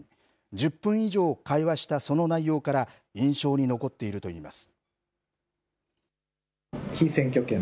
１０分以上会話したその内容から、印象に残っているといいます。